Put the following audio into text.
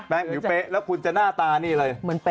แป้งผิวเป๊ะแล้วคุณจะหน้าตานี่เลย